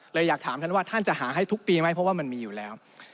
อยากถามท่านว่าท่านจะหาให้ทุกปีไหมเพราะว่ามันมีอยู่แล้ว